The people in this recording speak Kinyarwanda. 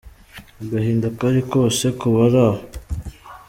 Agahinda kari kose ku bari aho.